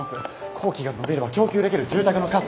工期が延びれば供給できる住宅の数も。